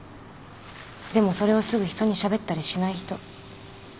でもそれをすぐ人にしゃべったりしない人。